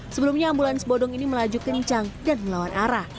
sebelumnya ambulans bodong ini melaju kencang dan melawan arah